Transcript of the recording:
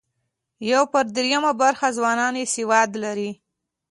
یو پر درېیمه برخه ځوانان یې سواد لري.